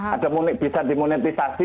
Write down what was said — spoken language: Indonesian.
ada bisa dimonetisasi